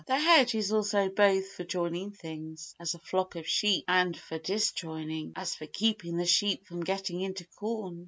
The hedge is also both for joining things (as a flock of sheep) and for disjoining (as for keeping the sheep from getting into corn).